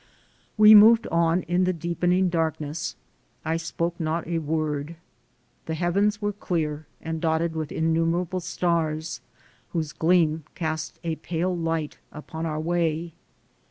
We moved on in the deepening darkness. I spoke not a word. The heavens were clear and dotted with innumerable stars, whose gleam cast a pale light upon our way.